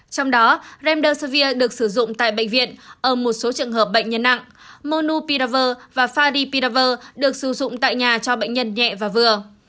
trong đó remdesivir được sử dụng tại bệnh viện ở một số trường hợp bệnh nhân nặng monupiravir và favipiravir được sử dụng tại nhà cho bệnh nhân nhẹ và vừa